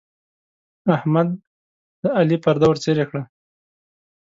احمد د علي پرده ورڅيرې کړه.